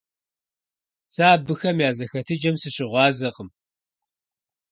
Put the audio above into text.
Сэ абыхэм я зэхэтыкӀэм сыщыгъуазэкъым.